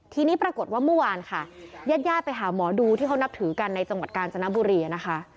ทีนี้ปรากฏว่าเมื่อวานค่ะญาติญาติไปหาหมอดูที่เขานับถือกันในจังหวัดกาญจนบุรีนะคะ